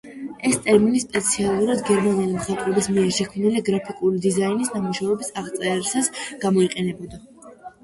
ეს ტერმინი სპეციფიკურად გერმანელი მხატვრების მიერ შექმნილი გრაფიკული დიზაინის ნამუშევრების აღწერისას გამოიყენებოდა.